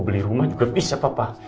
beli rumah juga bisa papa